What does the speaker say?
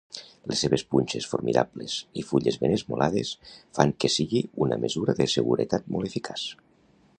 Les seves punxes formidables i fulles ben esmolades fan que sigui una mesura de seguretat molt eficaç.